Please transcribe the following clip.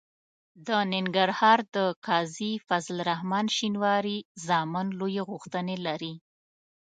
د ننګرهار د قاضي فضل الرحمن شینواري زامن لویې غوښتنې لري.